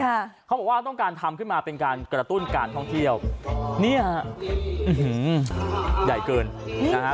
เขาบอกว่าต้องการทำขึ้นมาเป็นการกระตุ้นการท่องเที่ยวเนี่ยฮะอื้อหือใหญ่เกินนะฮะ